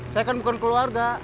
saya kan bukan keluarga